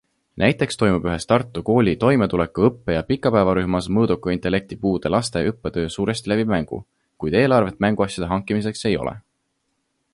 Näiteks toimub ühes Tartu kooli toimetuleku õppe- ja pikapäevarühmas mõõduka intellekti puudega laste õppetöö suuresti läbi mängu, kuid eelarvet mänguasjade hankimiseks ei ole.